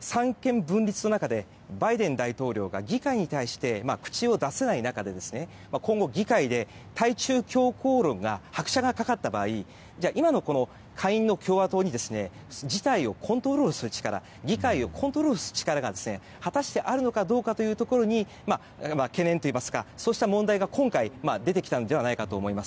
三権分立の中でバイデン大統領が議会に対して口を出せない中で今後、議会で対中強硬論が拍車がかかった場合今の下院の共和党に議会をコントロールする力が果たしてあるのかどうかというところに懸念というか、そうした問題が今回出てきたんだと思います。